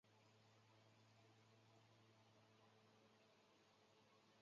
有时刚发芽的稻子